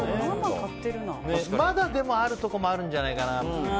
まだあるところもあるんじゃないかな。